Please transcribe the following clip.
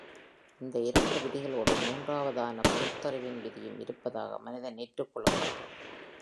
இந்த இரண்டு விதிகளோடு மூன்றாவதான பகுத்தறிவின் விதியும் இருப்பாத மனிதன் ஏற்றுக் கொள்கிறான்.